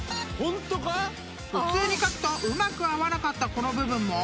［普通に書くとうまく合わなかったこの部分も］